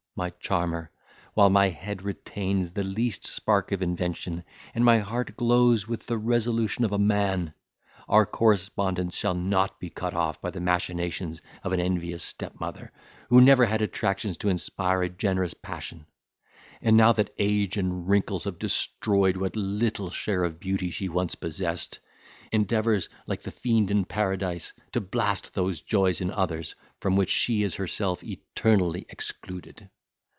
my charmer, while my head retains the least spark of invention, and my heart glows with the resolution of a man, our correspondence shall not be cut off by the machinations of an envious stepmother, who never had attractions to inspire a generous passion; and, now that age and wrinkles have destroyed what little share of beauty she once possessed, endeavours, like the fiend in paradise, to blast those joys in others, from which she is herself eternally excluded.